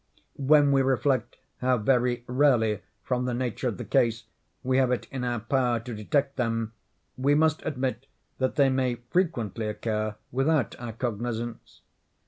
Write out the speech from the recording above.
When we reflect how very rarely, from the nature of the case, we have it in our power to detect them, we must admit that they may frequently occur without our cognizance.